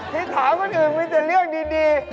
ที่ถามคนอื่นมีแต่เรื่องดี